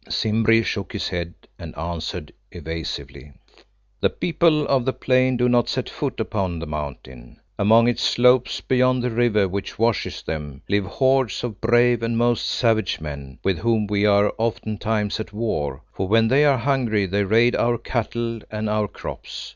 Simbri shook his head and answered evasively. "The people of the Plain do not set foot upon the Mountain. Among its slopes beyond the river which washes them, live hordes of brave and most savage men, with whom we are oftentimes at war; for when they are hungry they raid our cattle and our crops.